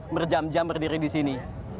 berjam jam berdiri di sini